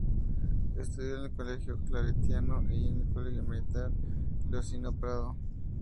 Estudió en el Colegio Claretiano y en el Colegio Militar Leoncio Prado.